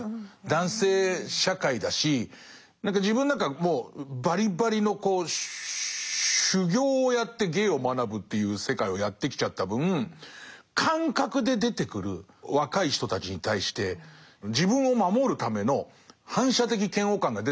男性社会だし自分なんかもうばりばりの修業をやって芸を学ぶっていう世界をやってきちゃった分感覚で出てくる若い人たちに対して自分を守るための反射的嫌悪感が出たりする時があって。